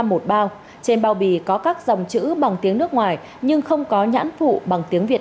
một bao trên bao bì có các dòng chữ bằng tiếng nước ngoài nhưng không có nhãn phụ bằng tiếng việt